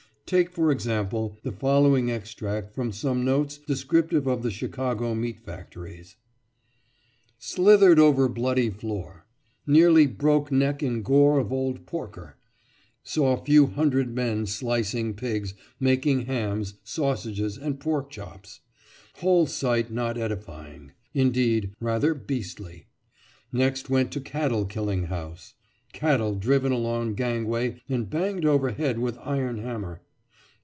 Take, for example, the following extract from some notes descriptive of the Chicago meat factories: "Slithered over bloody floor. Nearly broke neck in gore of old porker. Saw few hundred men slicing pigs, making hams, sausages, and pork chops. Whole sight not edifying; indeed, rather beastly. Next went to cattle killing house. Cattle driven along gangway and banged over head with iron hammer.